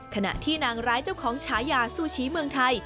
ขณะที่นางร้ายเจ้าของฉายาซูชิเมืองไทย